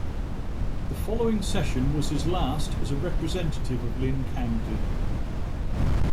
The following session was his last as a representative of Linn County.